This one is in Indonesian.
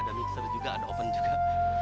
ada mikser juga ada open juga